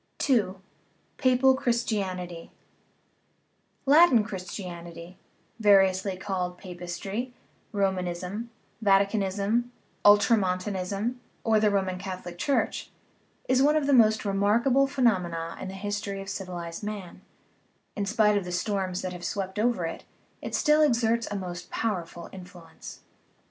II. PAPAL CHRISTIANITY Latin Christianity, variously called Papistry, Ro manism, Vaticanism, Ultramontanism, or the Roman Catholic Church, is one of the most remarkable phe nomena in the history of civilized man ; in spite of the storms that have swept over it, it still exerts a most pow erful influence.